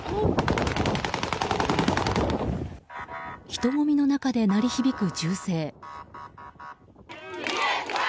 人ごみの中で鳴り響く銃声。